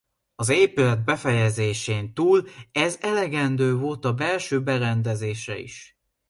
Az épület befejezésén túl ez elegendő volt a belső berendezésre is.